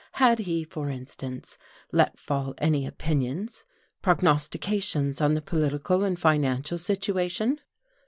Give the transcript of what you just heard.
Had he, for instance, let fall any opinions, prognostications on the political and financial situation?